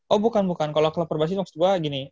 oh bukan bukan kalau klub perbasih maksud gue gini